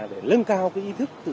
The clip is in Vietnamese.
để lân cao ý thức